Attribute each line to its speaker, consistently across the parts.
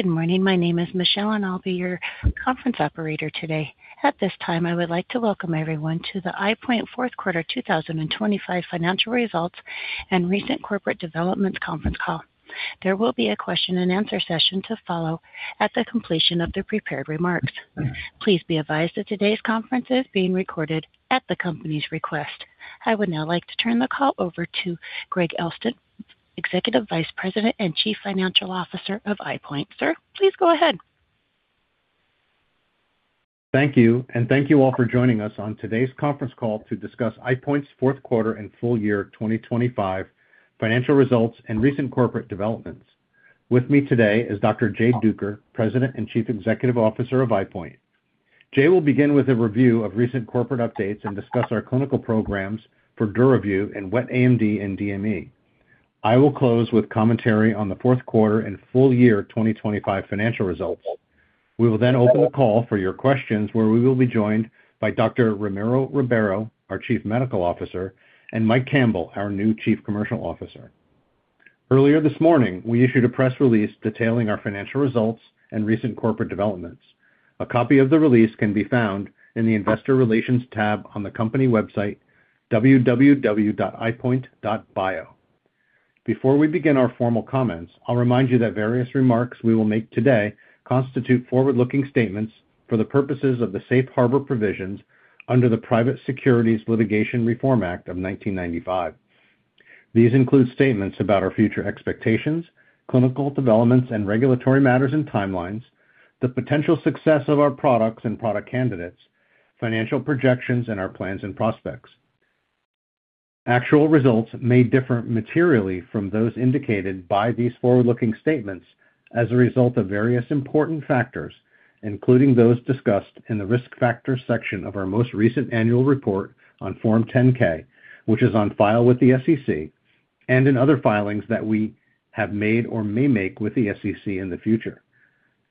Speaker 1: Good morning. My name is Michelle, I'll be your conference operator today. At this time, I would like to welcome everyone to the EyePoint Fourth Quarter 2025 financial results and recent corporate developments conference call. There will be a question and answer session to follow at the completion of the prepared remarks. Please be advised that today's conference is being recorded at the company's request. I would now like to turn the call over to George Elston, Executive Vice President and Chief Financial Officer of EyePoint. Sir, please go ahead.
Speaker 2: Thank you. Thank you all for joining us on today's conference call to discuss EyePoint's fourth quarter and full year 2025 financial results and recent corporate developments. With me today is Dr. Jay Duker, President and Chief Executive Officer of EyePoint. Jay will begin with a review of recent corporate updates and discuss our clinical programs for DURAVYU and wet AMD and DME. I will close with commentary on the fourth quarter and full year 2025 financial results. We will open the call for your questions, where we will be joined by Dr. Ramiro Ribeiro, our Chief Medical Officer, and Mike Campbell, our new Chief Commercial Officer. Earlier this morning, we issued a press release detailing our financial results and recent corporate developments. A copy of the release can be found in the Investor Relations tab on the company website, www.eyepoint.bio. Before we begin our formal comments, I'll remind you that various remarks we will make today constitute forward-looking statements for the purposes of the Safe Harbor provisions under the Private Securities Litigation Reform Act of 1995. These include statements about our future expectations, clinical developments and regulatory matters and timelines, the potential success of our products and product candidates, financial projections, and our plans and prospects. Actual results may differ materially from those indicated by these forward-looking statements as a result of various important factors, including those discussed in the Risk Factors section of our most recent annual report on Form 10-K, which is on file with the SEC, and in other filings that we have made or may make with the SEC in the future.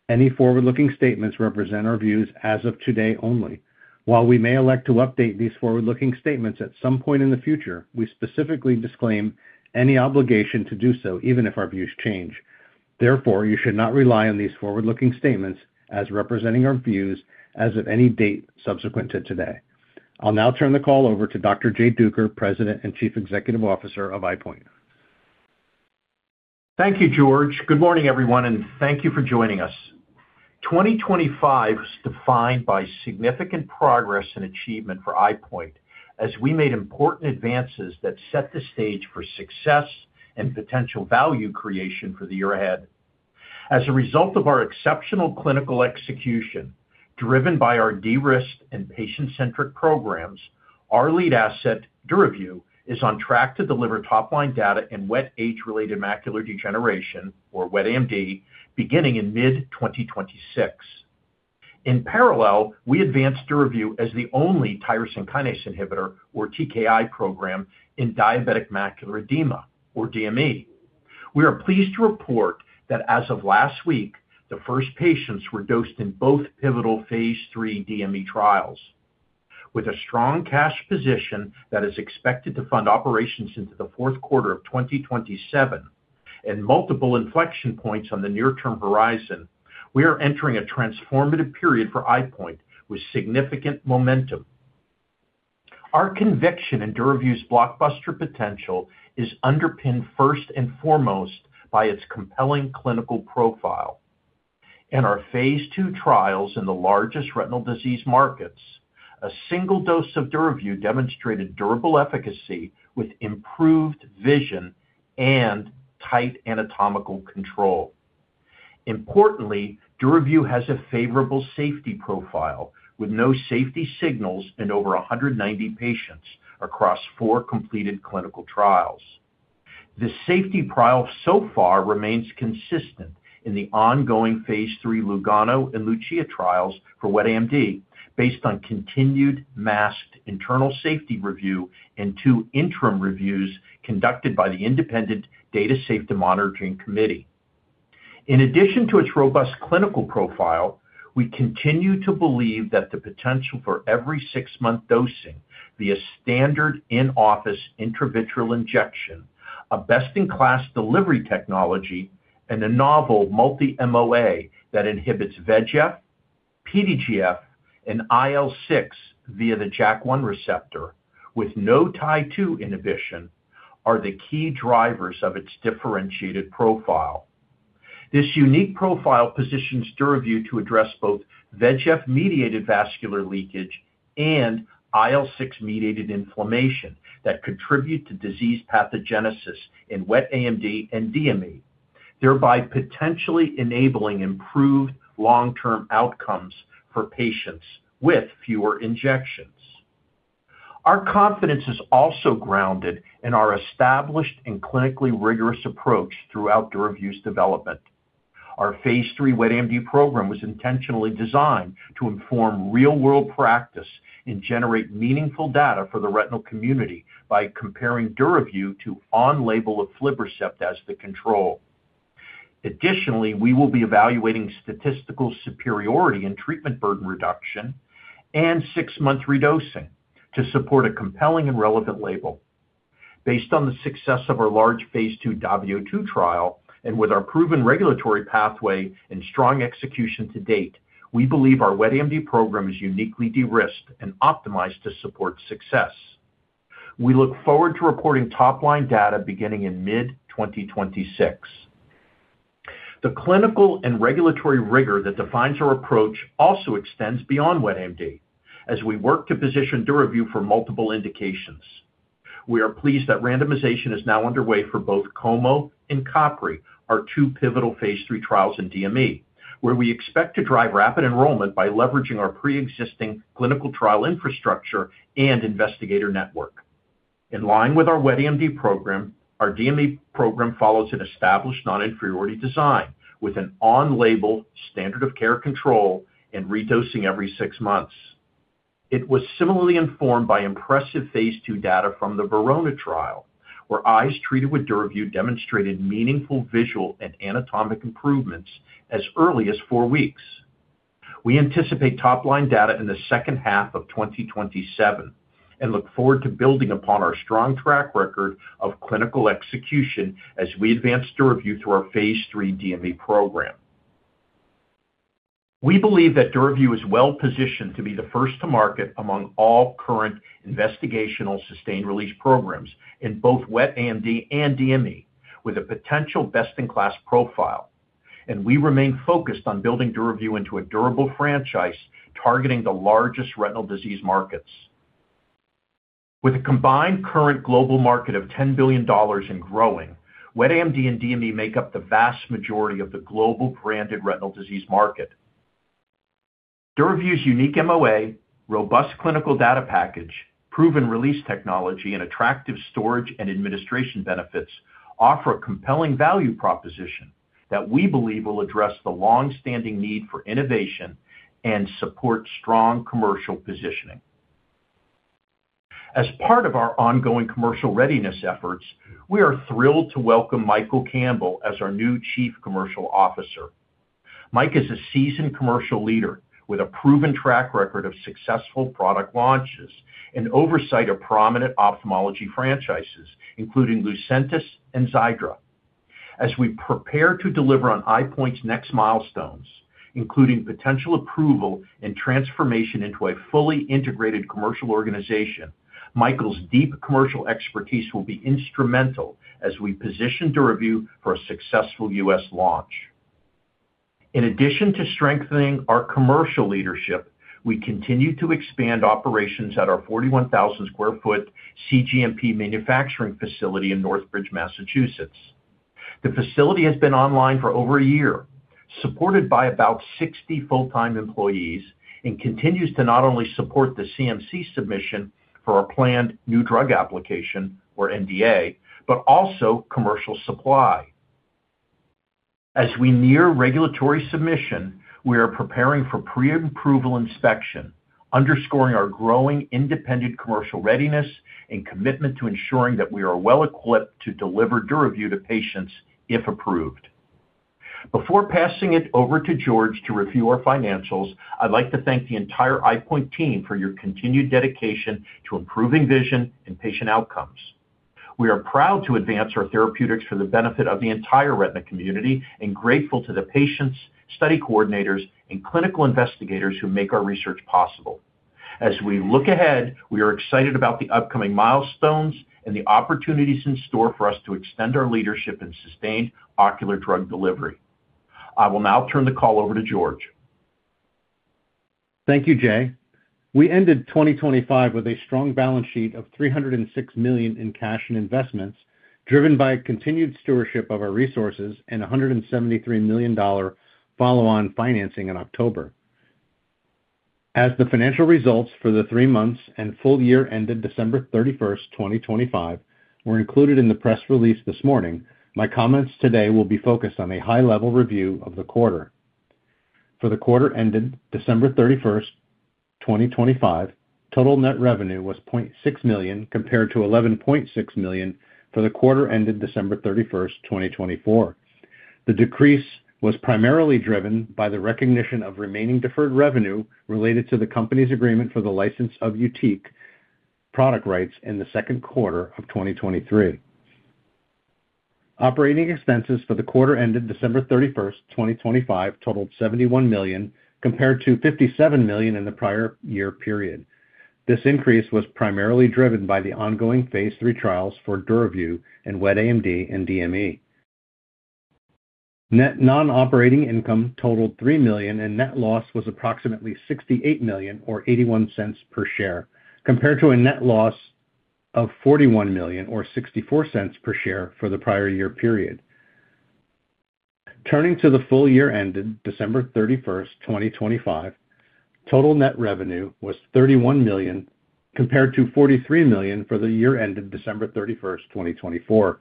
Speaker 2: Any forward-looking statements represent our views as of today only. While we may elect to update these forward-looking statements at some point in the future, we specifically disclaim any obligation to do so, even if our views change. You should not rely on these forward-looking statements as representing our views as of any date subsequent to today. I'll now turn the call over to Dr. Jay Duker, President and Chief Executive Officer of EyePoint.
Speaker 3: Thank you, George. Good morning, everyone, and thank you for joining us. 2025 was defined by significant progress and achievement for EyePoint as we made important advances that set the stage for success and potential value creation for the year ahead. As a result of our exceptional clinical execution driven by our de-risked and patient-centric programs, our lead asset, DURAVYU, is on track to deliver top-line data in wet age-related macular degeneration, or wet AMD, beginning in mid-2026. In parallel, we advanced DURAVYU as the only tyrosine kinase inhibitor, or TKI program, in diabetic macular edema, or DME. We are pleased to report that as of last week, the first patients were dosed in both pivotal phase III DME trials. With a strong cash position that is expected to fund operations into the fourth quarter of 2027 and multiple inflection points on the near-term horizon, we are entering a transformative period for EyePoint with significant momentum. Our conviction in DURAVYU's blockbuster potential is underpinned first and foremost by its compelling clinical profile. In our Phase II trials in the largest retinal disease markets, a single dose of DURAVYU demonstrated durable efficacy with improved vision and tight anatomical control. Importantly, DURAVYU has a favorable safety profile with no safety signals in over 190 patients across four completed clinical trials. The safety profile so far remains consistent in the ongoing Phase III Lugano and Lucia trials for wet AMD based on continued masked internal safety review and two interim reviews conducted by the independent Data Safety Monitoring Committee. In addition to its robust clinical profile, we continue to believe that the potential for every six-month dosing via standard in-office intravitreal injection, a best-in-class delivery technology, and a novel multi-MOA that inhibits VEGF, PDGF, and IL-6 via the JAK1 receptor with no TIE-2 inhibition are the key drivers of its differentiated profile. This unique profile positions DURAVYU to address both VEGF-mediated vascular leakage and IL-6-mediated inflammation that contribute to disease pathogenesis in wet AMD and DME, thereby potentially enabling improved long-term outcomes for patients with fewer injections. Our confidence is also grounded in our established and clinically rigorous approach throughout DURAVYU's development. Our Phase III wet AMD program was intentionally designed to inform real-world practice and generate meaningful data for the retinal community by comparing DURAVYU to on-label aflibercept as the control. Additionally, we will be evaluating statistical superiority in treatment burden reduction and six-month redosing to support a compelling and relevant label. Based on the success of our large phase II DAVIO 2 trial and with our proven regulatory pathway and strong execution to date, we believe our wet AMD program is uniquely de-risked and optimized to support success. We look forward to reporting top-line data beginning in mid-2026. The clinical and regulatory rigor that defines our approach also extends beyond wet AMD as we work to position DURAVYU for multiple indications. We are pleased that randomization is now underway for both COMO and CAPRI, our two pivotal phase III trials in DME, where we expect to drive rapid enrollment by leveraging our preexisting clinical trial infrastructure and investigator network. In line with our wet AMD program, our DME program follows an established non-inferiority design with an on-label standard of care control and redosing every six months. It was similarly informed by impressive phase II data from the VERONA trial, where eyes treated with DURAVYU demonstrated meaningful visual and anatomic improvements as early as four weeks. We anticipate top-line data in the second half of 2027 and look forward to building upon our strong track record of clinical execution as we advance DURAVYU through our phase III DME program. We believe that DURAVYU is well-positioned to be the first to market among all current investigational sustained release programs in both wet AMD and DME, with a potential best-in-class profile. We remain focused on building DURAVYU into a durable franchise targeting the largest retinal disease markets. With a combined current global market of $10 billion and growing, wet AMD and DME make up the vast majority of the global branded retinal disease market. DURAVYU's unique MOA, robust clinical data package, proven release technology, and attractive storage and administration benefits offer a compelling value proposition that we believe will address the long-standing need for innovation and support strong commercial positioning. As part of our ongoing commercial readiness efforts, we are thrilled to welcome Michael Campbell as our new chief commercial officer. Mike is a seasoned commercial leader with a proven track record of successful product launches and oversight of prominent ophthalmology franchises, including Lucentis and Xiidra. As we prepare to deliver on EyePoint's next milestones, including potential approval and transformation into a fully integrated commercial organization, Michael's deep commercial expertise will be instrumental as we position DURAVYU for a successful U.S. launch. In addition to strengthening our commercial leadership, we continue to expand operations at our 41,000 square foot cGMP manufacturing facility in Northbridge, Massachusetts. The facility has been online for over a year, supported by about 60 full-time employees, and continues to not only support the CMC submission for our planned new drug application, or NDA, but also commercial supply. As we near regulatory submission, we are preparing for pre-approval inspection, underscoring our growing independent commercial readiness and commitment to ensuring that we are well-equipped to deliver DURAVYU to patients if approved. Before passing it over to George to review our financials, I'd like to thank the entire EyePoint team for your continued dedication to improving vision and patient outcomes. We are proud to advance our therapeutics for the benefit of the entire retina community and grateful to the patients, study coordinators, and clinical investigators who make our research possible. As we look ahead, we are excited about the upcoming milestones and the opportunities in store for us to extend our leadership in sustained ocular drug delivery. I will now turn the call over to George.
Speaker 2: Thank you, Jay. We ended 2025 with a strong balance sheet of $306 million in cash and investments, driven by continued stewardship of our resources and a $173 million follow-on financing in October. As the financial results for the three months and full year ended December 31st, 2025 were included in the press release this morning, my comments today will be focused on a high-level review of the quarter. For the quarter ended December 31st, 2025, total net revenue was $0.6 million, compared to $11.6 million for the quarter ended December 31st, 2024. The decrease was primarily driven by the recognition of remaining deferred revenue related to the company's agreement for the license of YUTIQ product rights in the second quarter of 2023. Operating expenses for the quarter ended December 31st, 2025 totaled $71 million, compared to $57 million in the prior year period. This increase was primarily driven by the ongoing phase III trials for DURAVYU in wet AMD and DME. Net non-operating income totaled $3 million, and net loss was approximately $68 million or $0.81 per share, compared to a net loss of $41 million or $0.64 per share for the prior year period. Turning to the full year ended December 31st, 2025, total net revenue was $31 million, compared to $43 million for the year ended December 31st, 2024.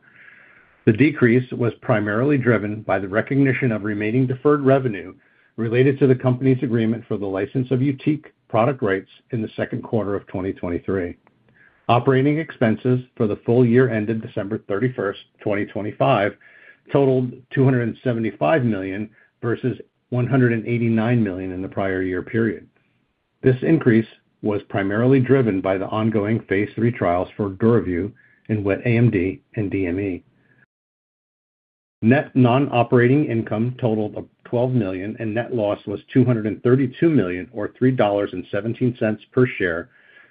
Speaker 2: The decrease was primarily driven by the recognition of remaining deferred revenue related to the company's agreement for the license of YUTIQ product rights in the second quarter of 2023. Operating expenses for the full year ended December 31st, 2025 totaled $275 million versus $189 million in the prior year period. This increase was primarily driven by the ongoing Phase III trials for DURAVYU in wet AMD and DME. Net non-operating income totaled of $12 million, and net loss was $232 million or $3.17 per share,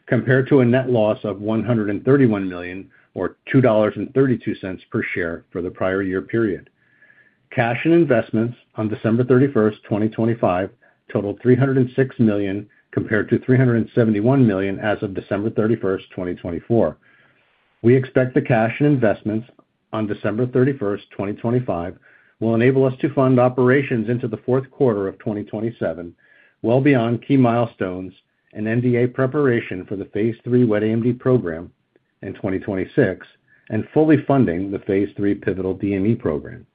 Speaker 2: compared to a net loss of $131 million or $2.32 per share for the prior year period. Cash and investments on December 31st, 2025 totaled $306 million compared to $371 million as of December 31st, 2024. We expect the cash and investments on December 31, 2025 will enable us to fund operations into the fourth quarter of 2027, well beyond key milestones and NDA preparation for the Phase III wet AMD program in 2026 and fully funding the Phase III pivotal DME program.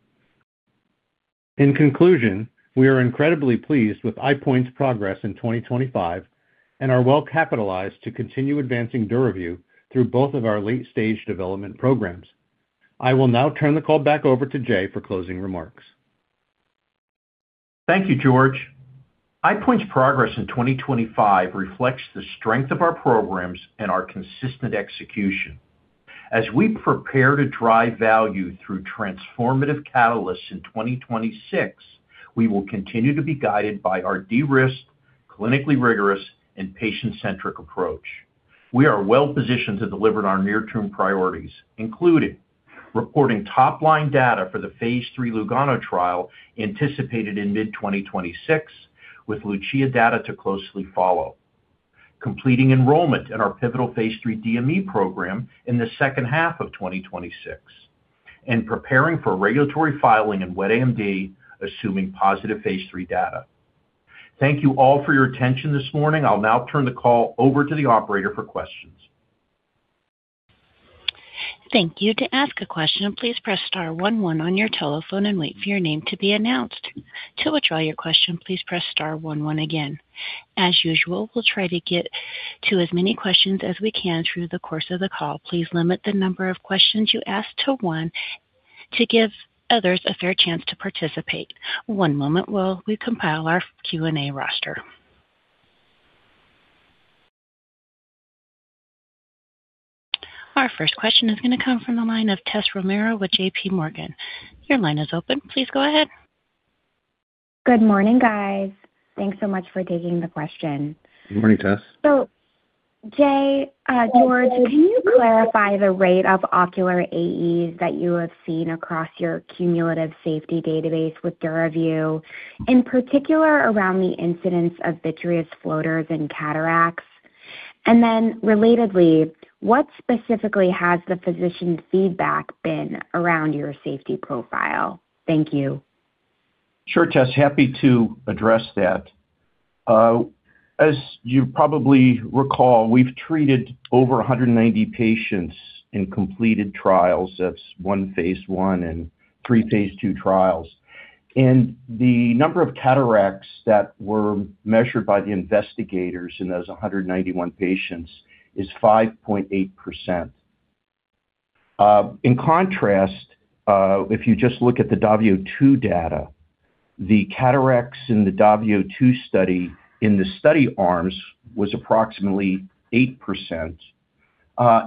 Speaker 2: In conclusion, we are incredibly pleased with EyePoint's progress in 2025 and are well capitalized to continue advancing DURAVYU through both of our late-stage development programs. I will now turn the call back over to Jay for closing remarks.
Speaker 3: Thank you, George. EyePoint's progress in 2025 reflects the strength of our programs and our consistent execution. As we prepare to drive value through transformative catalysts in 2026, we will continue to be guided by our de-risked, clinically rigorous, and patient-centric approach. We are well-positioned to deliver on our near-term priorities, including reporting top-line data for the Phase III LUGANO trial anticipated in mid-2026, with LUCIA data to closely follow. Completing enrollment in our pivotal Phase III DME program in the second half of 2026, and preparing for regulatory filing in wet AMD, assuming positive Phase III data. Thank you all for your attention this morning. I'll now turn the call over to the operator for questions.
Speaker 1: Thank you. To ask a question, please press star one one on your telephone and wait for your name to be announced. To withdraw your question, please press star one one again. As usual, we'll try to get to as many questions as we can through the course of the call. Please limit the number of questions you ask to one to give others a fair chance to participate. One moment while we compile our Q&A roster. Our first question is going to come from the line of Tessa Romero with JPMorgan. Your line is open. Please go ahead.
Speaker 4: Good morning, guys. Thanks so much for taking the question.
Speaker 3: Good morning, Tess.
Speaker 4: Jay, George, can you clarify the rate of ocular AEs that you have seen across your cumulative safety database with DURAVYU, in particular around the incidence of vitreous floaters and cataracts? Relatedly, what specifically has the physician feedback been around your safety profile? Thank you.
Speaker 3: Sure, Tess. Happy to address that. As you probably recall, we've treated over 190 patients in completed trials. That's one phase I and III phase II trials. The number of cataracts that were measured by the investigators in those 191 patients is 5.8%. In contrast, if you just look at the DAVIO 2 data, the cataracts in the DAVIO 2 study in the study arms was approximately 8%.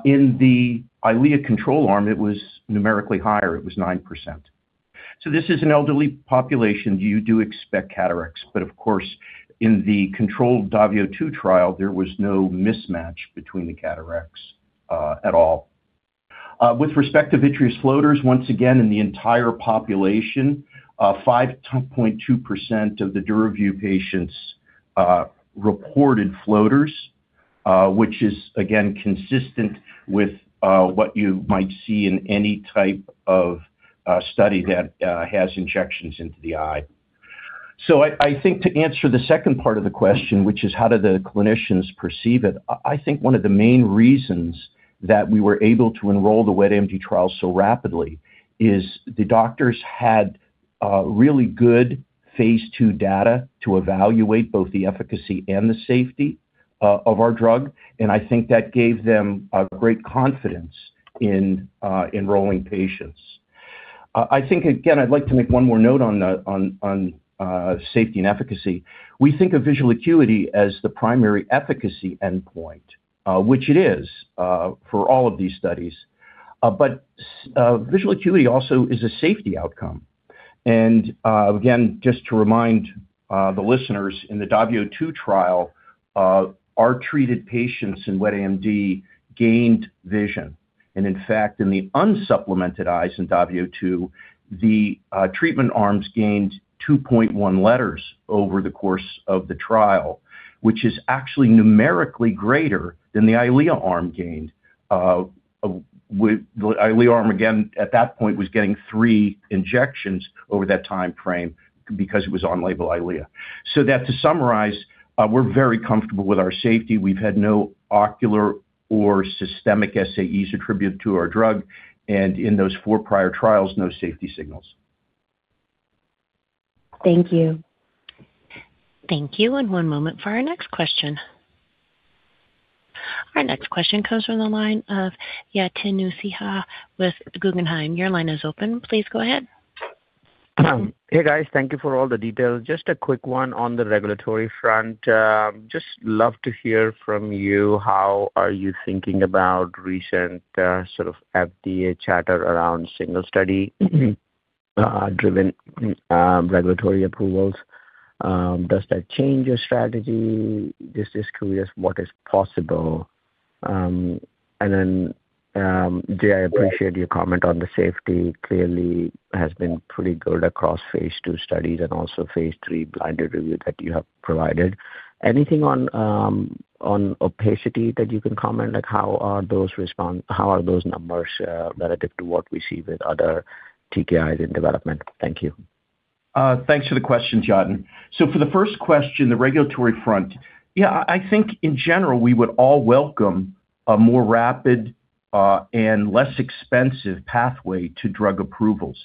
Speaker 3: In the EYLEA control arm, it was numerically higher. It was 9%. This is an elderly population. You do expect cataracts, but of course, in the controlled DAVIO 2 trial, there was no mismatch between the cataracts at all. With respect to vitreous floaters, once again, in the entire population, 5.2% of the DURAVYU patients reported floaters, which is again consistent with what you might see in any type of study that has injections into the eye. I think to answer the second part of the question, which is how do the clinicians perceive it? I think one of the main reasons that we were able to enroll the wet AMD trial so rapidly is the doctors had really good Phase II data to evaluate both the efficacy and the safety of our drug. I think that gave them a great confidence in enrolling patients. I think again, I'd like to make one more note on the safety and efficacy. We think of visual acuity as the primary efficacy endpoint, which it is for all of these studies. But visual acuity also is a safety outcome. Again, just to remind the listeners, in the DAVIO 2 trial, our treated patients in wet AMD gained vision. In fact, in the unsupplemented eyes in DAVIO 2, the treatment arms gained 2.1 letters over the course of the trial, which is actually numerically greater than the Eylea arm gained. The Eylea arm, again, at that point, was getting three injections over that timeframe because it was on label Eylea. That to summarize, we're very comfortable with our safety. We've had no ocular or systemic SAEs attributed to our drug, and in those four prior trials, no safety signals.
Speaker 4: Thank you.
Speaker 1: Thank you, and one moment for our next question. Our next question comes from the line of Yatin Suneja with Guggenheim. Your line is open. Please go ahead.
Speaker 5: Hey, guys. Thank you for all the details. Just a quick one on the regulatory front. Just love to hear from you, how are you thinking about recent, sort of FDA chatter around single study driven, regulatory approvals? Does that change your strategy? Just curious what is possible. Jay, I appreciate your comment on the safety. Clearly has been pretty good across phase II studies and also phase III blinded review that you have provided. Anything on opacity that you can comment? Like, how are those numbers, relative to what we see with other TKIs in development? Thank you.
Speaker 3: Thanks for the question, Yatin. For the first question, the regulatory front, yeah, I think in general, we would all welcome a more rapid and less expensive pathway to drug approvals.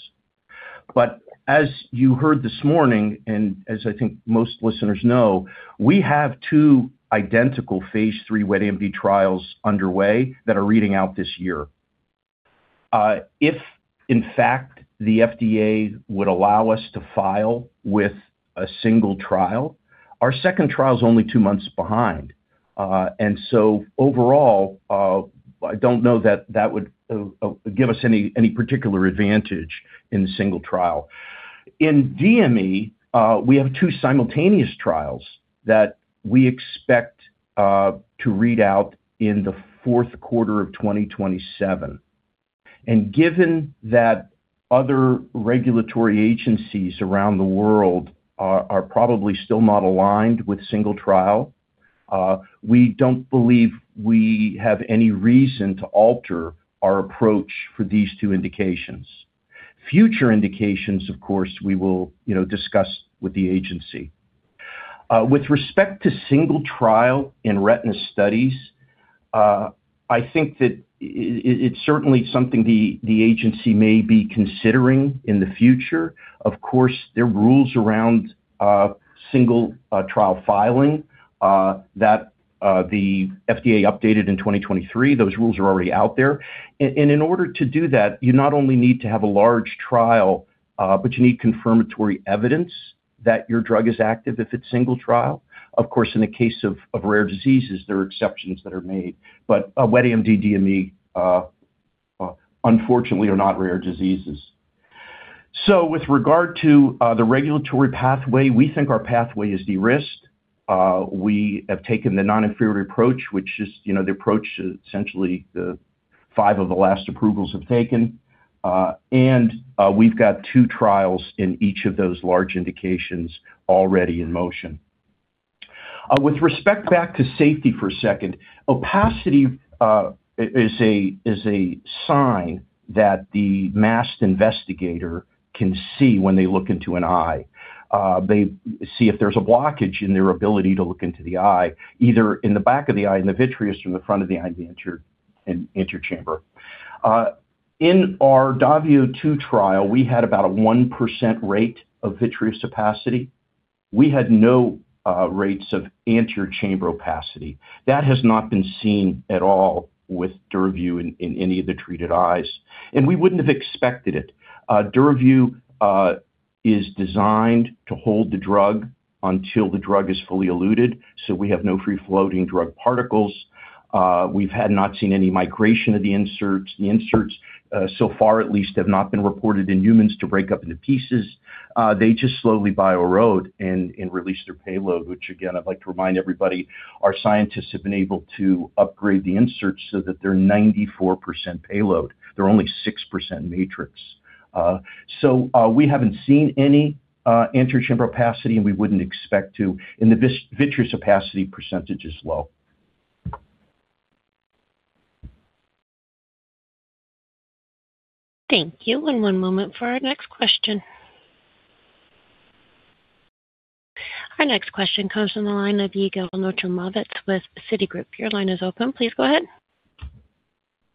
Speaker 3: As you heard this morning, and as I think most listeners know, we have two identical phase III wet AMD trials underway that are reading out this year. If in fact the FDA would allow us to file with a single trial, our second trial is only two months behind. Overall, I don't know that that would give us any particular advantage in the single trial. In DME, we have two simultaneous trials that we expect to read out in the fourth quarter of 2027. Given that other regulatory agencies around the world are probably still not aligned with single trial, we don't believe we have any reason to alter our approach for these two indications. Future indications, of course, we will, you know, discuss with the agency. With respect to single trial in retina studies, I think that it's certainly something the agency may be considering in the future. Of course, there are rules around single trial filing that the FDA updated in 2023. Those rules are already out there. In order to do that, you not only need to have a large trial, but you need confirmatory evidence that your drug is active if it's single trial. Of course, in the case of rare diseases, there are exceptions that are made. wet AMD, DME, unfortunately are not rare diseases. With regard to, the regulatory pathway, we think our pathway is de-risked. We have taken the non-inferiority approach, which is, you know, the approach essentially the five of the last approvals have taken. We've got two trials in each of those large indications already in motion. With respect back to safety for a second, opacity is a sign that the masked investigator can see when they look into an eye. They see if there's a blockage in their ability to look into the eye, either in the back of the eye, in the vitreous, from the front of the eye, the anterior chamber. In our DAVIO 2 trial, we had about a 1% rate of vitreous opacity. We had no rates of anterior chamber opacity. That has not been seen at all with DURAVYU in any of the treated eyes. We wouldn't have expected it. DURAVYU is designed to hold the drug until the drug is fully eluded. We have no free-floating drug particles. We've had not seen any migration of the inserts. The inserts, so far at least, have not been reported in humans to break up into pieces. They just slowly bioerode and release their payload, which again, I'd like to remind everybody, our scientists have been able to upgrade the inserts so that they're 94% payload. They're only 6% matrix. We haven't seen any anterior chamber opacity, and we wouldn't expect to. The vitreous opacity percentage is low.
Speaker 1: Thank you. One moment for our next question. Our next question comes from the line of Yigal Nochomovitz with Citigroup. Your line is open. Please go ahead.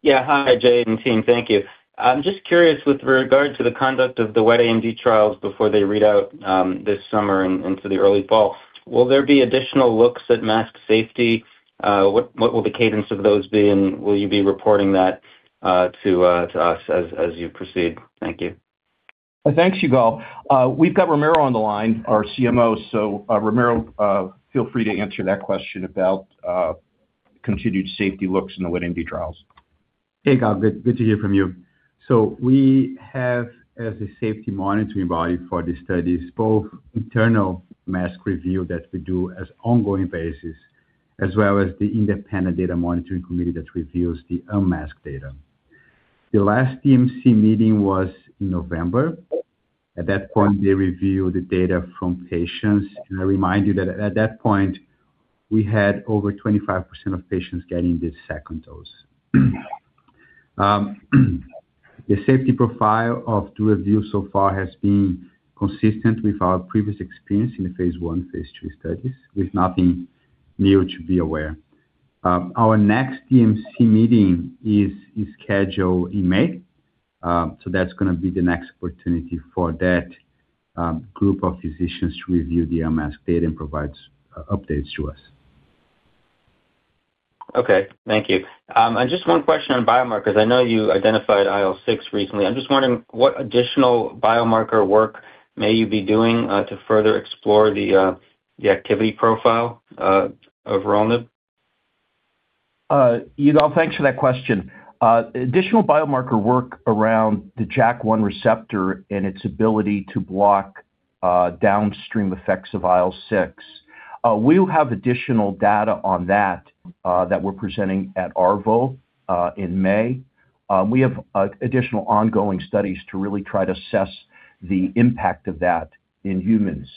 Speaker 6: Hi, Jay and team. Thank you. I'm just curious with regard to the conduct of the wet AMD trials before they read out, this summer and into the early fall, will there be additional looks at masked safety? What will the cadence of those be, and will you be reporting that to us as you proceed? Thank you.
Speaker 3: Thanks, Yigal. We've got Ramiro on the line, our CMO. Ramiro, feel free to answer that question about continued safety looks in the wet AMD trials.
Speaker 7: Hey, Yigal. Good to hear from you. We have, as a safety monitoring body for these studies, both internal mask review that we do as ongoing basis, as well as the independent Data Safety Monitoring Committee that reviews the unmasked data. The last DMC meeting was in November. At that point, they reviewed the data from patients, and I remind you that at that point, we had over 25% of patients getting the second dose. The safety profile of DURAVYU so far has been consistent with our previous experience in the phase I, phase II studies, with nothing new to be aware. Our next DMC meeting is scheduled in May. That's going to be the next opportunity for that group of physicians to review the MS data and provides updates to us.
Speaker 6: Okay. Thank you. Just one question on biomarkers. I know you identified IL-6 recently. I'm just wondering what additional biomarker work may you be doing to further explore the activity profile of vorolanib?
Speaker 3: Yigal, thanks for that question. Additional biomarker work around the JAK1 receptor and its ability to block downstream effects of IL-6. We have additional data on that that we're presenting at ARVO in May. We have additional ongoing studies to really try to assess the impact of that in humans.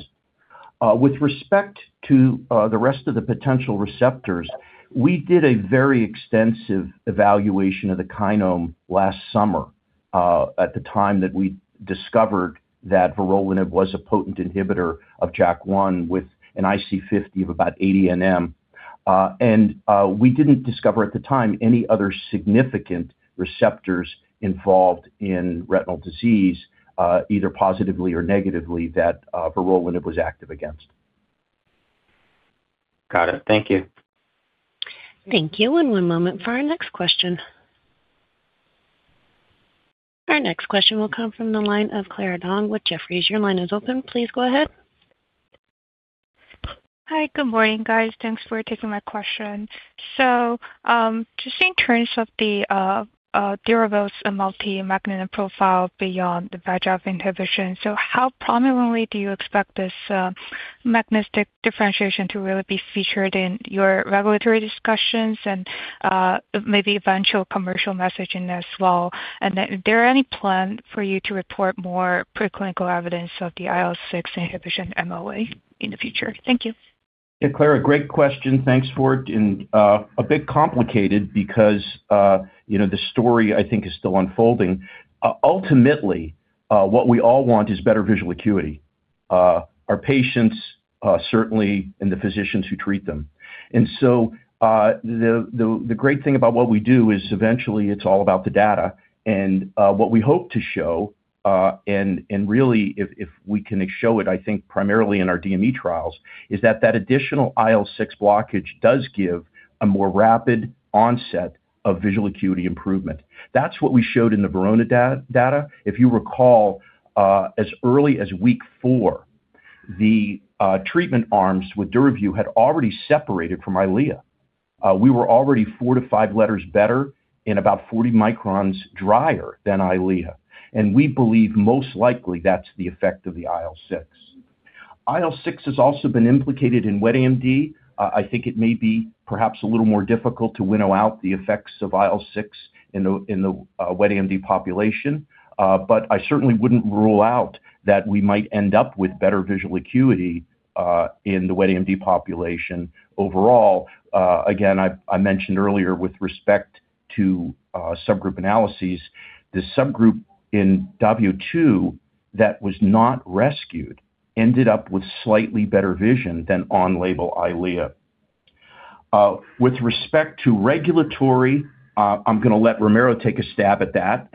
Speaker 3: With respect to the rest of the potential receptors, we did a very extensive evaluation of the kinome last summer at the time that we discovered that vorolanib was a potent inhibitor of JAK1 with an IC50 of about 80 nM. We didn't discover at the time any other significant receptors involved in retinal disease either positively or negatively that vorolanib was active against.
Speaker 6: Got it. Thank you.
Speaker 1: Thank you. One moment for our next question. Our next question will come from the line of Clara Dong with Jefferies. Your line is open. Please go ahead.
Speaker 8: Hi. Good morning, guys. Thanks for taking my question. Just in terms of the DURAVYU and multi-mechanism profile beyond the JAK inhibition, so how prominently do you expect this mechanistic differentiation to really be featured in your regulatory discussions and maybe eventual commercial messaging as well? Is there any plan for you to report more preclinical evidence of the IL-6 inhibition MOA in the future? Thank you.
Speaker 3: Yeah, Clara, great question. Thanks for it. A bit complicated because, you know, the story I think is still unfolding. Ultimately, what we all want is better visual acuity, our patients, certainly and the physicians who treat them. The, the great thing about what we do is eventually it's all about the data. What we hope to show, and really if we can show it, I think primarily in our DME trials, is that that additional IL-6 blockage does give a more rapid onset of visual acuity improvement. That's what we showed in the VERONA data. If you recall, as early as week four, the treatment arms with DURAVYU had already separated from EYLEA. We were already four to five letters better and about 40 microns drier than EYLEA. We believe most likely that's the effect of the IL-6. IL-6 has also been implicated in wet AMD. I think it may be perhaps a little more difficult to winnow out the effects of IL-6 in the wet AMD population. I certainly wouldn't rule out that we might end up with better visual acuity in the wet AMD population overall. Again, I mentioned earlier with respect to subgroup analyses, the subgroup in W2 that was not rescued ended up with slightly better vision than on-label Eylea. With respect to regulatory, I'm going to let Ramiro Ribeiro take a stab at that.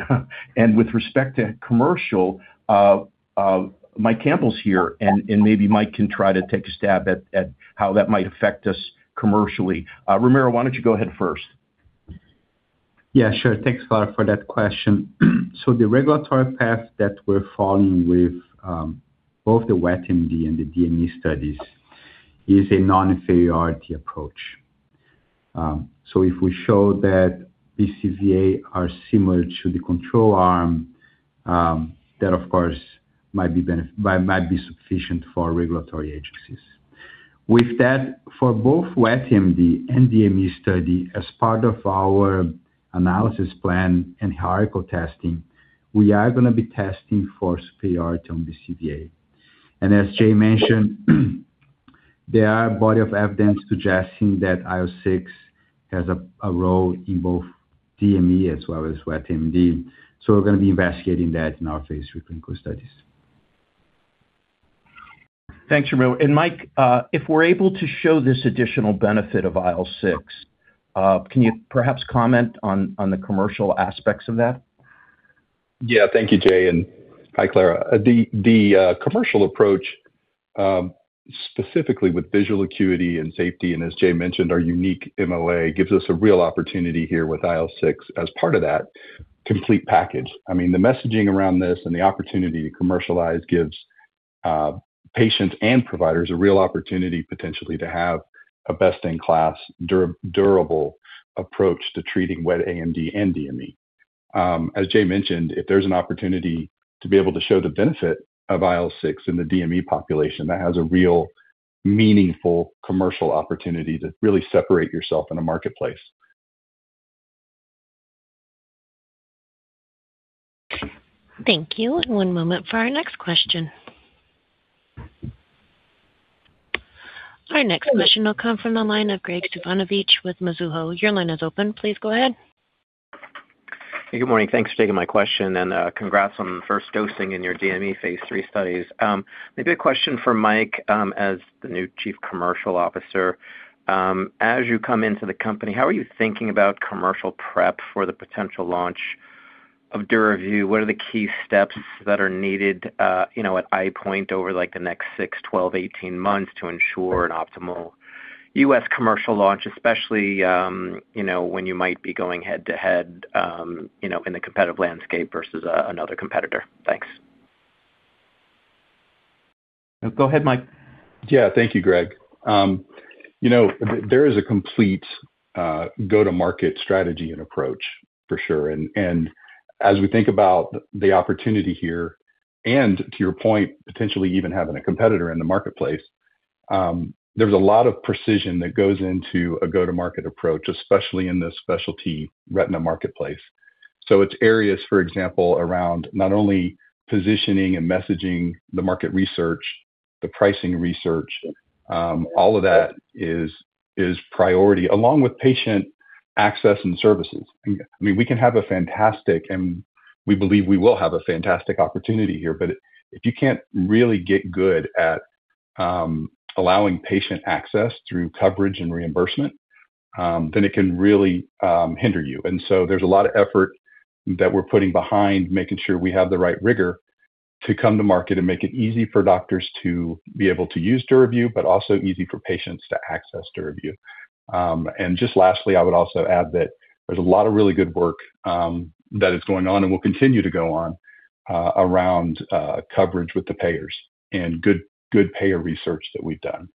Speaker 3: With respect to commercial, Michael Campbell's here, and maybe Mike can try to take a stab at how that might affect us commercially. Ramiro Ribeiro, why don't you go ahead first?
Speaker 7: Yeah, sure. Thanks, Clara, for that question. The regulatory path that we're following with both the wet AMD and the DME studies is a non-inferiority approach. If we show that BCVA are similar to the control arm, that of course might be sufficient for regulatory agencies. With that, for both wet AMD and DME study, as part of our analysis plan and hierarchical testing, we are going to be testing for superiority on BCVA. As Jay mentioned, there are body of evidence suggesting that IL-6 has a role in both DME as well as wet AMD. We're going to be investigating that in our phase III clinical studies.
Speaker 3: Thanks, Romero. Mike, if we're able to show this additional benefit of IL-6, can you perhaps comment on the commercial aspects of that?
Speaker 9: Yeah. Thank you, Jay, and hi, Clara. The commercial approach, specifically with visual acuity and safety, and as Jay mentioned, our unique MOA gives us a real opportunity here with IL-6 as part of that complete package. I mean, the messaging around this and the opportunity to commercialize gives patients and providers a real opportunity potentially to have a best-in-class durable approach to treating wet AMD and DME. As Jay mentioned, if there's an opportunity to be able to show the benefit of IL-6 in the DME population, that has a real meaningful commercial opportunity to really separate yourself in a marketplace.
Speaker 1: Thank you. One moment for our next question. Our next question will come from the line of Graig Suvannavejh with Mizuho. Your line is open. Please go ahead.
Speaker 10: Good morning. Thanks for taking my question. Congrats on first dosing in your DME Phase III studies. Maybe a question for Mike, as the new Chief Commercial Officer. As you come into the company, how are you thinking about commercial prep for the potential launch of DURAVYU, what are the key steps that are needed, you know, at EyePoint over, like, the next six, 12, 18 months to ensure an optimal U.S. commercial launch, especially, you know, when you might be going head-to-head, you know, in a competitive landscape versus another competitor? Thanks.
Speaker 3: Go ahead, Mike.
Speaker 9: Yeah. Thank you, Greg. You know, there is a complete, go-to-market strategy and approach for sure. As we think about the opportunity here, and to your point, potentially even having a competitor in the marketplace, there's a lot of precision that goes into a go-to-market approach, especially in the specialty retina marketplace. It's areas, for example, around not only positioning and messaging the market research, the pricing research, all of that is priority, along with patient access and services. I mean, we can have a fantastic, and we believe we will have a fantastic opportunity here, if you can't really get good at allowing patient access through coverage and reimbursement, then it can really hinder you. There's a lot of effort that we're putting behind making sure we have the right rigor to come to market and make it easy for doctors to be able to use DURAVYU but also easy for patients to access DURAVYU. I would also add that there's a lot of really good work that is going on and will continue to go on around coverage with the payers and good payer research that we've done.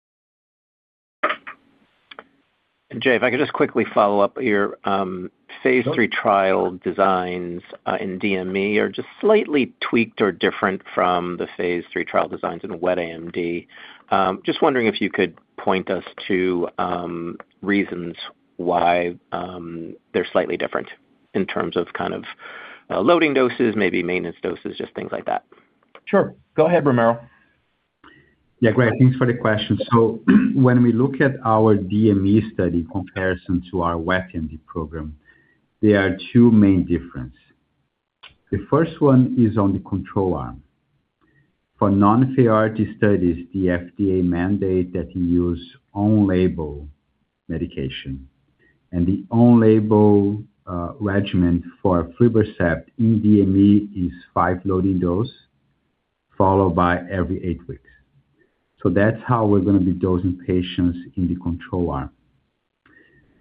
Speaker 10: Jay, if I could just quickly follow up here.
Speaker 3: Sure.
Speaker 10: Phase III trial designs in DME are just slightly tweaked or different from the phase III trial designs in wet AMD. Just wondering if you could point us to reasons why they're slightly different in terms of kind of loading doses, maybe maintenance doses, just things like that?
Speaker 3: Sure. Go ahead, Romero.
Speaker 7: Yeah, Greg, thanks for the question. When we look at our DME study comparison to our wet AMD program, there are two main difference. The first one is on the control arm. For non-inferiority studies, the FDA mandate that you use on-label medication, and the on-label regimen for aflibercept in DME is five loading dose followed by every eight weeks. That's how we're gonna be dosing patients in the control arm.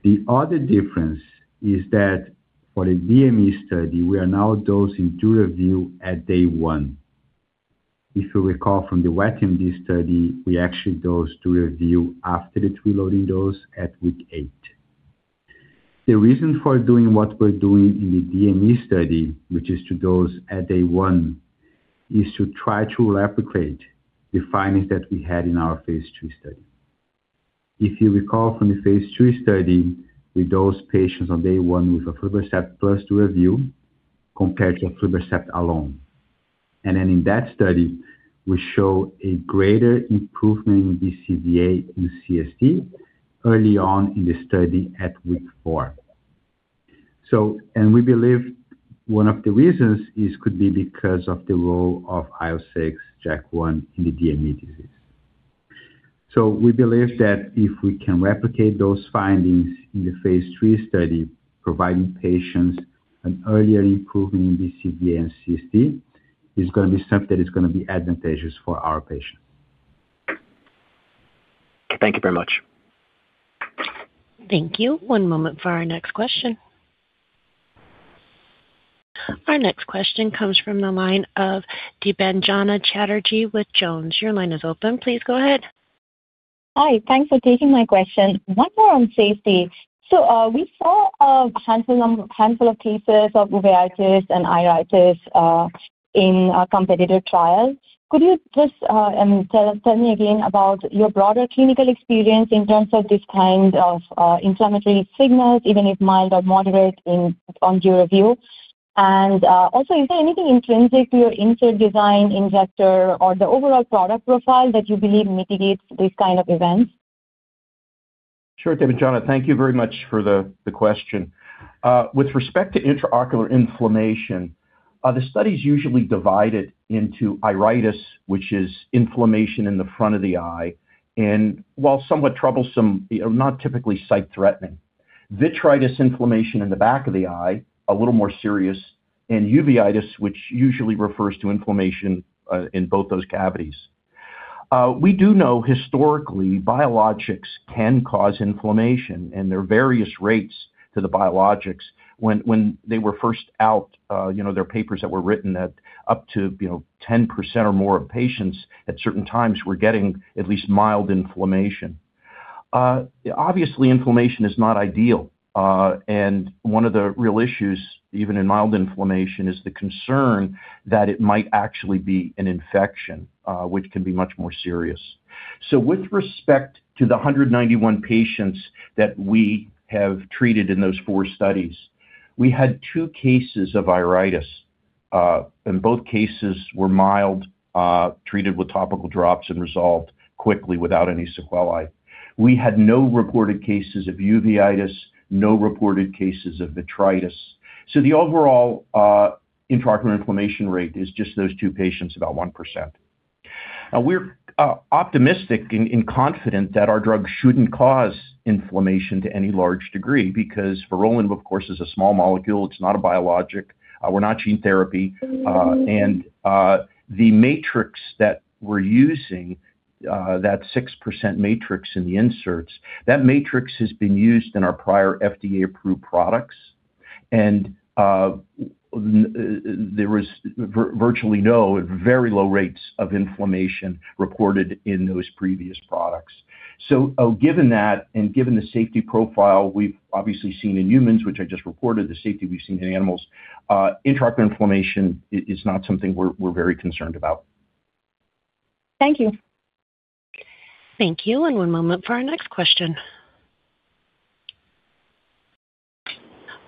Speaker 7: The other difference is that for a DME study, we are now dosing DURAVYU at day one. If you recall from the wet AMD study, we actually dosed DURAVYU after the three loading dose at week eight. The reason for doing what we're doing in the DME study, which is to dose at day one, is to try to replicate the findings that we had in our phase II study. If you recall from the Phase II study, we dosed patients on day one with aflibercept plus DURAVYU compared to aflibercept alone. Then in that study, we show a greater improvement in DVA and CST early on in the study at week four. We believe one of the reasons is could be because of the role of IL-6 JAK1 in the DME disease. We believe that if we can replicate those findings in the Phase III study, providing patients an earlier improvement in DVA and CST, is gonna be something that is gonna be advantageous for our patients.
Speaker 10: Thank you very much.
Speaker 1: Thank you. One moment for our next question. Our next question comes from the line of Debanjana Chatterjee with JonesTrading. Your line is open. Please go ahead.
Speaker 11: Hi. Thanks for taking my question. One more on safety. We saw a handful of cases of uveitis and iritis in our competitor trials. Could you just and tell me again about your broader clinical experience in terms of these kind of inflammatory signals, even if mild or moderate in, on DURAVYU. Also is there anything intrinsic to your insert design, injector or the overall product profile that you believe mitigates these kind of events?
Speaker 3: Sure, Debanjana. Thank you very much for the question. With respect to intraocular inflammation, the study is usually divided into iritis, which is inflammation in the front of the eye, and while somewhat troublesome, not typically sight threatening. Vitritis inflammation in the back of the eye, a little more serious, and uveitis, which usually refers to inflammation in both those cavities. We do know historically biologics can cause inflammation and there are various rates to the biologics. When they were first out, you know, there are papers that were written that up to, you know, 10% or more of patients at certain times were getting at least mild inflammation. Obviously inflammation is not ideal, and one of the real issues, even in mild inflammation, is the concern that it might actually be an infection, which can be much more serious. With respect to the 191 patients that we have treated in those four studies, we had two cases of iritis, and both cases were mild, treated with topical drops and resolved quickly without any sequelae. We had no reported cases of uveitis, no reported cases of vitritis. The overall intraocular inflammation rate is just those two patients, about 1%. We're optimistic and confident that our drug shouldn't cause inflammation to any large degree because vorolanib, of course, is a small molecule. It's not a biologic. We're not gene therapy. The matrix that we're using, that 6% matrix in the inserts, that matrix has been used in our prior FDA-approved products. There was virtually no, very low rates of inflammation reported in those previous products. Given that, and given the safety profile we've obviously seen in humans, which I just reported, the safety we've seen in animals, intraocular inflammation is not something we're very concerned about.
Speaker 11: Thank you.
Speaker 1: Thank you. One moment for our next question.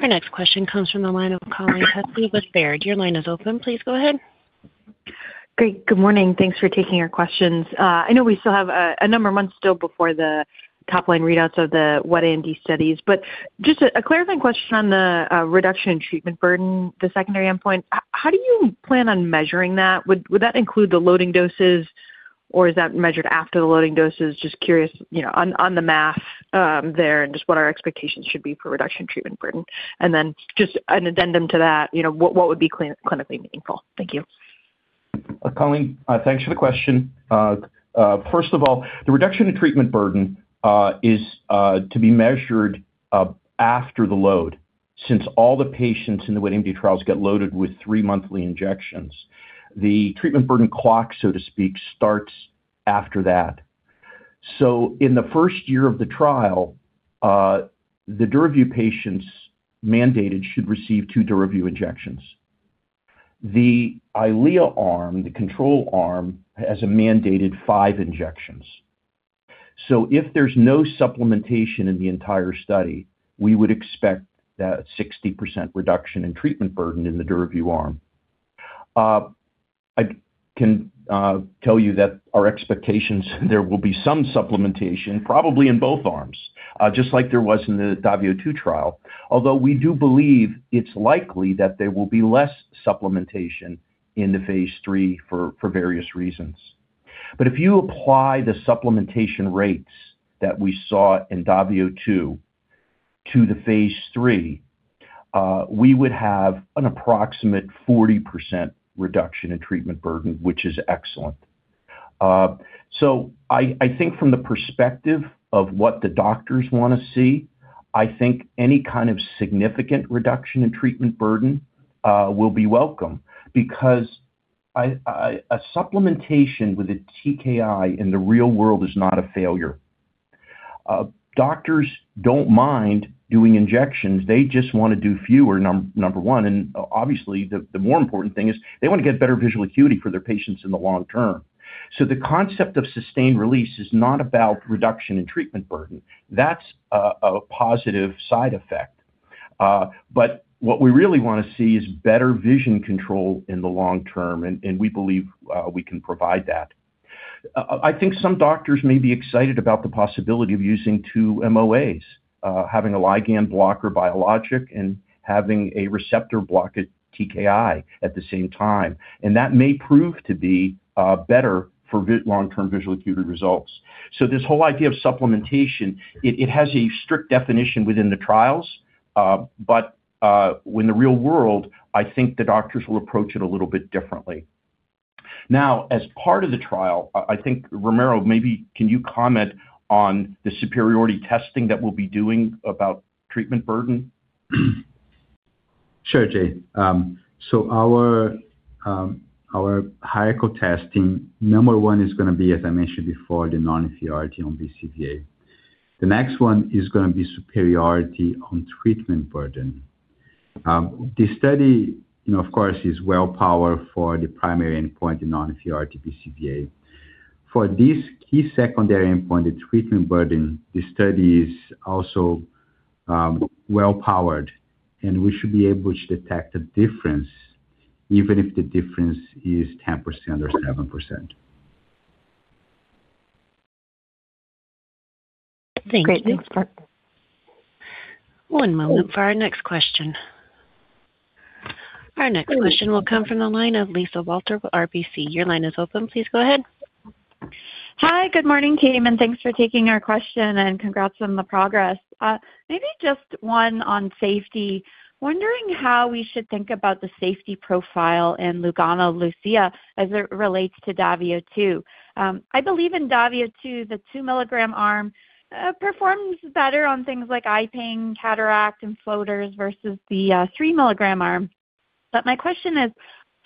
Speaker 1: Our next question comes from the line of Colleen Kusy with Baird. Your line is open. Please go ahead.
Speaker 12: Great. Good morning. Thanks for taking our questions. I know we still have a number of months still before the top-line readouts of the wet AMD studies. Just a clarifying question on the reduction in treatment burden, the secondary endpoint. How do you plan on measuring that? Would that include the loading doses, or is that measured after the loading doses? Just curious, you know, on the math there and just what our expectations should be for reduction treatment burden. Just an addendum to that, you know, what would be clinically meaningful? Thank you.
Speaker 3: Colleen, thanks for the question. First of all, the reduction in treatment burden is to be measured after the load, since all the patients in the wet AMD trials get loaded with three monthly injections. The treatment burden clock, so to speak, starts after that. In the first year of the trial, the DURAVYU patients mandated should receive two DURAVYU injections. The EYLEA arm, the control arm, has a mandated five injections. If there's no supplementation in the entire study, we would expect that 60% reduction in treatment burden in the DURAVYU arm. I can tell you that our expectations, there will be some supplementation probably in both arms, just like there was in the DAVIO 2 trial. Although we do believe it's likely that there will be less supplementation in the phase III for various reasons. If you apply the supplementation rates that we saw in DAVIO 2 to the phase III, we would have an approximate 40% reduction in treatment burden, which is excellent. I think from the perspective of what the doctors wanna see, I think any kind of significant reduction in treatment burden, will be welcome because I, a supplementation with a TKI in the real world is not a failure. Doctors don't mind doing injections. They just wanna do fewer, number one, and obviously, the more important thing is they want to get better visual acuity for their patients in the long term. The concept of sustained release is not about reduction in treatment burden. That's a positive side effect. What we really wanna see is better vision control in the long term, and we believe we can provide that. I think some doctors may be excited about the possibility of using two MOAs, having a ligand blocker biologic and having a receptor blocker TKI at the same time, and that may prove to be better for long-term visual acuity results. This whole idea of supplementation, it has a strict definition within the trials, but in the real world, I think the doctors will approach it a little bit differently. As part of the trial, I think, Romero, maybe can you comment on the superiority testing that we'll be doing about treatment burden?
Speaker 7: Sure, Jay. Our, our hierarchical testing, number one is gonna be, as I mentioned before, the non-inferiority on BCVA. The next one is gonna be superiority on treatment burden. The study, you know, of course, is well powered for the primary endpoint, the non-inferiority BCVA. For this key secondary endpoint, the treatment burden, the study is also, well powered, and we should be able to detect a difference even if the difference is 10% or 7%.
Speaker 12: Great. Thanks.
Speaker 1: Thank you. One moment for our next question. Our next question will come from the line of Lisa Walter with RBC. Your line is open. Please go ahead.
Speaker 13: Hi. Good morning, Jay. Thanks for taking our question, and congrats on the progress. Maybe just one on safety. Wondering how we should think about the safety profile in LUGANO LUCIA as it relates to DAVIO 2. I believe in DAVIO 2, the 2-milligram arm performs better on things like eye pain, cataract, and floaters versus the 3-milligram arm. My question is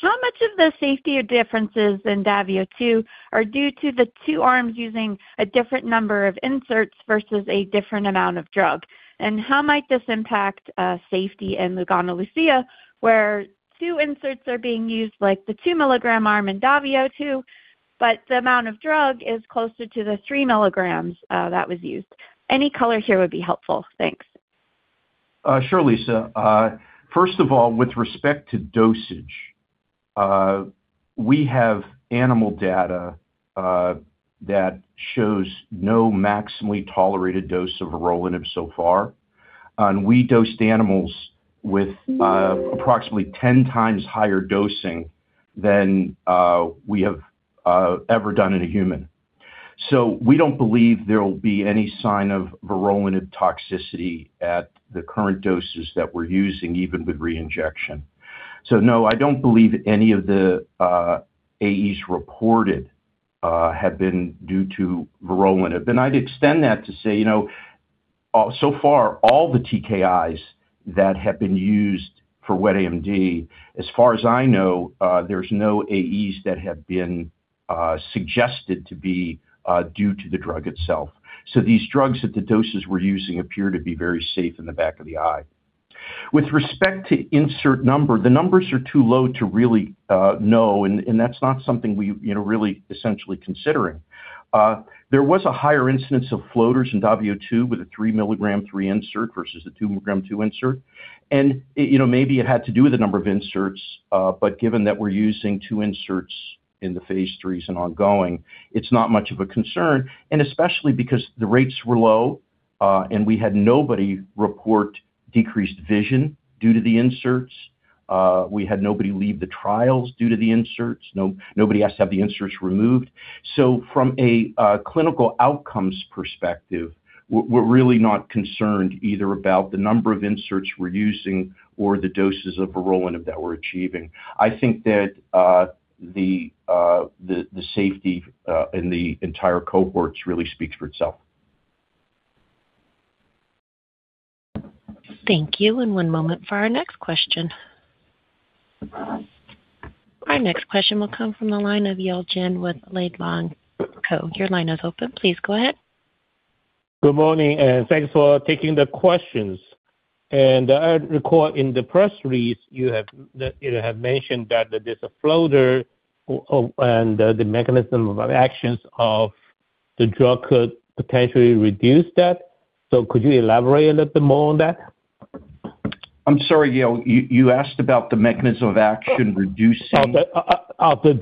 Speaker 13: how much of the safety differences in DAVIO 2 are due to the two arms using a different number of inserts versus a different amount of drug? How might this impact safety in LUGANO LUCIA, where two inserts are being used like the 2-milligram arm in DAVIO 2, but the amount of drug is closer to the 3 milligrams that was used. Any color here would be helpful. Thanks.
Speaker 3: Sure, Lisa. First of all, with respect to dosage, we have animal data that shows no maximally tolerated dose of rolipram so far. We dosed animals with approximately 10 times higher dosing than we have ever done in a human. We don't believe there will be any sign of vorolanib toxicity at the current doses that we're using, even with reinjection. No, I don't believe any of the AEs reported have been due to vorolanib. I'd extend that to say, you know, so far, all the TKIs that have been used for wet AMD, as far as I know, there's no AEs that have been suggested to be due to the drug itself. These drugs at the doses we're using appear to be very safe in the back of the eye. With respect to insert number, the numbers are too low to really know, and that's not something we, you know, really essentially considering. There was a higher incidence of floaters in Phase II with a 3-milligram three insert versus a 2-milligram two insert. It, you know, maybe it had to do with the number of inserts, but given that we're using two inserts in the Phase III and ongoing, it's not much of a concern, and especially because the rates were low, and we had nobody report decreased vision due to the inserts. We had nobody leave the trials due to the inserts. Nobody has to have the inserts removed. From a clinical outcomes perspective, we're really not concerned either about the number of inserts we're using or the doses of vorolanib that we're achieving. I think that, the safety, in the entire cohorts really speaks for itself.
Speaker 1: Thank you. One moment for our next question. Our next question will come from the line of Yale Jen with Laidlaw & Co. Your line is open. Please go ahead.
Speaker 14: Good morning, and thanks for taking the questions. I recall in the press release you have, that you have mentioned that there's a floater and the mechanism of actions of the drug could potentially reduce that. Could you elaborate a little bit more on that?
Speaker 3: I'm sorry, Yale. You asked about the mechanism of action reducing-
Speaker 14: Of the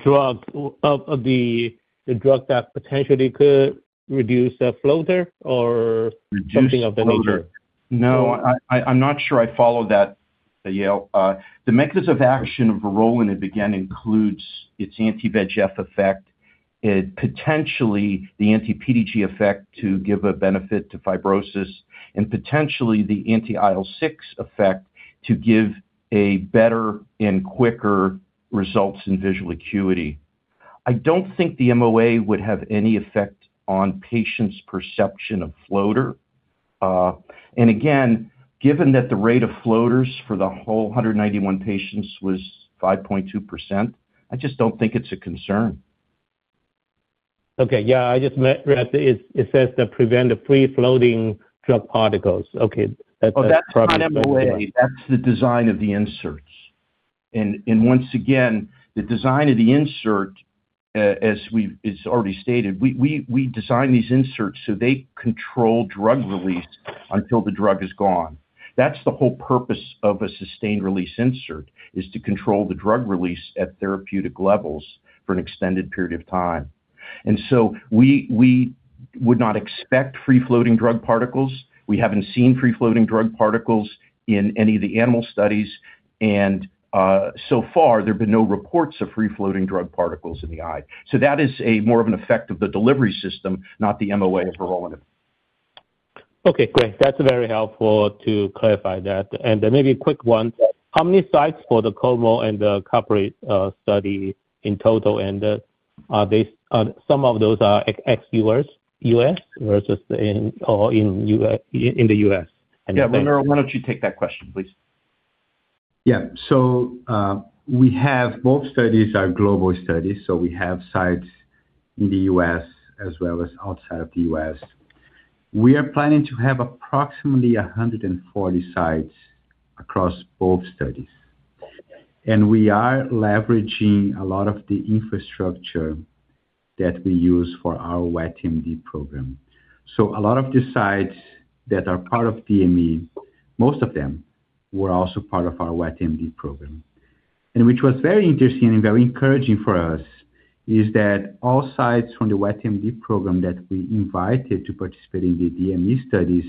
Speaker 14: drug. Of the drug that potentially could reduce the floater.
Speaker 3: Reducing floater.
Speaker 14: Something of the nature.
Speaker 3: No, I'm not sure I follow that, Yale. The mechanism of action of vorolanib, again, includes its anti-VEGF effect, potentially the anti-PDGF effect to give a benefit to fibrosis and potentially the anti-IL-6 effect to give a better and quicker results in visual acuity. I don't think the MOA would have any effect on patient's perception of floater. Again, given that the rate of floaters for the whole 191 patients was 5.2%, I just don't think it's a concern.
Speaker 14: Okay. Yeah. I just met read. It says to prevent the free-floating drug particles. Okay.
Speaker 3: That's not MOA. That's the design of the inserts. Once again, the design of the insert, as is already stated, we design these inserts so they control drug release until the drug is gone. That's the whole purpose of a sustained release insert, is to control the drug release at therapeutic levels for an extended period of time. We would not expect free-floating drug particles. We haven't seen free-floating drug particles in any of the animal studies, and so far, there have been no reports of free-floating drug particles in the eye. That is a more of an effect of the delivery system, not the MOA of vorolanib.
Speaker 14: Okay, great. That's very helpful to clarify that. Then maybe a quick one. How many sites for the COMO and the CAPRI study in total, and are some of those are ex-U.S., U.S. Versus in or in the U.S.?
Speaker 3: Yeah. Romero, why don't you take that question, please?.
Speaker 7: Yeah. We have both studies are global studies, so we have sites in the U.S. As well as outside of the U.S. We are planning to have approximately 140 sites across both studies. We are leveraging a lot of the infrastructure that we use for our wet AMD program. A lot of the sites that are part of DME, most of them were also part of our wet AMD program. Which was very interesting and very encouraging for us is that all sites from the wet AMD program that we invited to participate in the DME studies,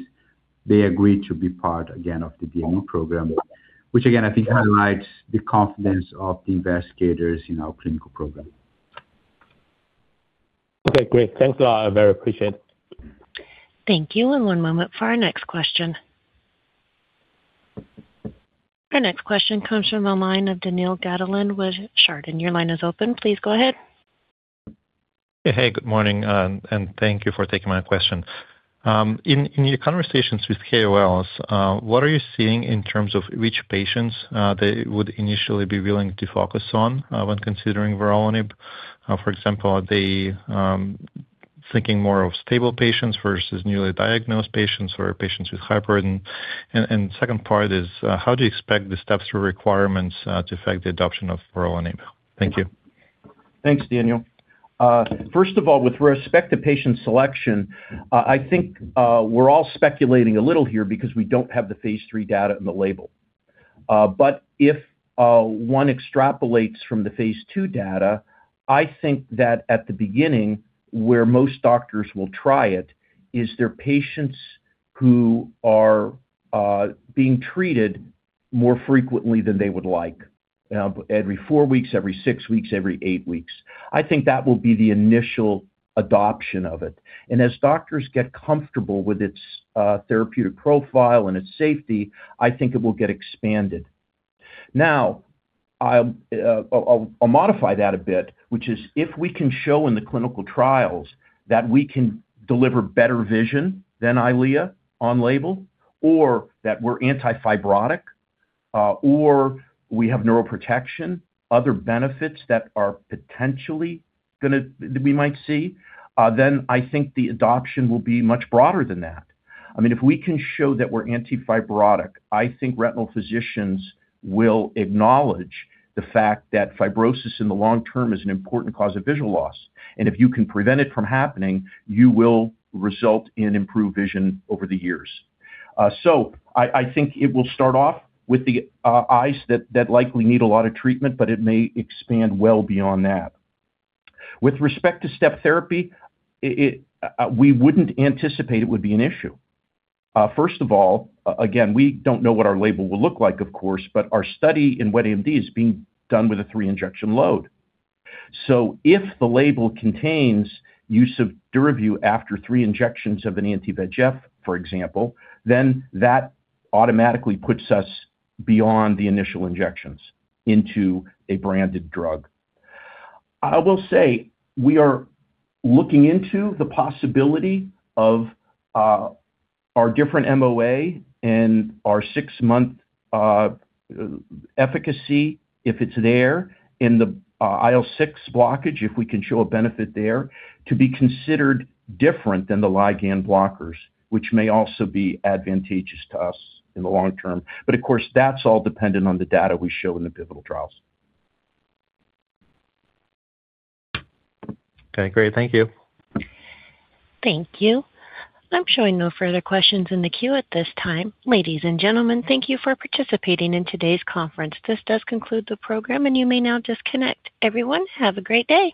Speaker 7: they agreed to be part again, of the DME program, which again, I think highlights the confidence of the investigators in our clinical program.
Speaker 14: Okay, great. Thanks a lot. I very appreciate.
Speaker 1: Thank you. One moment for our next question. Our next question comes from the line of Daniil Gataulin with Chardan. Your line is open. Please go ahead.
Speaker 15: Hey. Good morning, and thank you for taking my question. In your conversations with KOLs, what are you seeing in terms of which patients they would initially be willing to focus on when considering vorolanib? For example, are they thinking more of stable patients versus newly diagnosed patients or patients with hyperton? Second part is, how do you expect the steps or requirements to affect the adoption of vorolanib? Thank you. Thanks, Daniel.
Speaker 3: First of all, with respect to patient selection, I think, we're all speculating a little here because we don't have the phase III data in the label. If one extrapolates from the phase II data, I think that at the beginning, where most doctors will try it is their patients who are being treated more frequently than they would like. Every four weeks, every six weeks, every eight weeks. I think that will be the initial adoption of it. As doctors get comfortable with its therapeutic profile and its safety, I think it will get expanded. I'll modify that a bit, which is if we can show in the clinical trials that we can deliver better vision than EYLEA on label or that we're anti-fibrotic, or we have neural protection, other benefits that are potentially that we might see, then I think the adoption will be much broader than that. I mean, if we can show that we're anti-fibrotic, I think retinal physicians will acknowledge the fact that fibrosis in the long term is an important cause of visual loss. If you can prevent it from happening, you will result in improved vision over the years. I think it will start off with the eyes that likely need a lot of treatment, but it may expand well beyond that. With respect to step therapy, we wouldn't anticipate it would be an issue. First of all, again, we don't know what our label will look like, of course, but our study in wet AMD is being done with a three-injection load. If the label contains use of DURAVYU after three injections of an anti-VEGF, for example, then that automatically puts us beyond the initial injections into a branded drug. I will say we are looking into the possibility of our different MOA and our six-month efficacy, if it's there, in the IL-6 blockage, if we can show a benefit there, to be considered different than the ligand blockers, which may also be advantageous to us in the long term. Of course, that's all dependent on the data we show in the pivotal trials.
Speaker 15: Okay, great. Thank you.
Speaker 1: Thank you. I'm showing no further questions in the queue at this time. Ladies and gentlemen, thank you for participating in today's conference. This does conclude the program, and you may now disconnect. Everyone, have a great day.